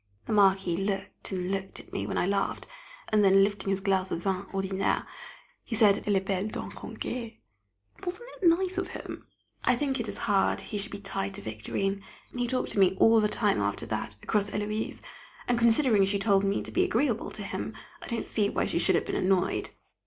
The Marquis looked and looked at me when I laughed, and then lifting his glass of vin ordinaire, he said: "Les belles dents rendent gai." Wasn't it nice of him? I think it is hard he should be tied to Victorine. He talked to me all the time after that, across Héloise, and considering she told me to be agreeable to him, I don't see why she should have been annoyed.